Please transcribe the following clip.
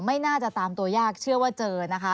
ไม่น่าจะตามตัวยากเชื่อว่าเจอนะคะ